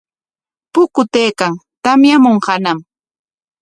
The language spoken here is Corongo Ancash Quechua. Pukutaykan, tamyamunqañam.